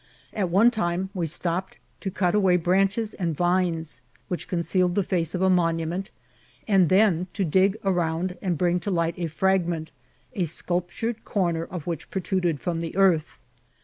At one time we stopped to cut away branches and vines which concealed the face of a monument, and then to dig around and bring to light a fragment, a sculptured comer of which protruded from the earth.